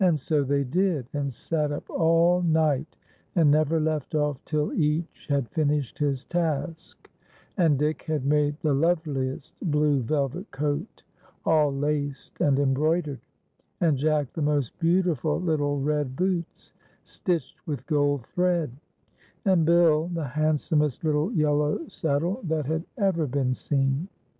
127 SO tlicy did, and sat up all ni;^ht, and never left ofT till each had finished liis task, and Dick had made the loveliest blue velvet coat, all laced and em broidered, and Jack the most beautiful little red boots, stitched with gold thread, and Bill the handsomest little yellow saddle that .had ever been seen.